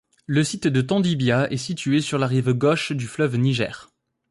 Le site de Tondibia est situé sur la rive gauche du fleuve Niger.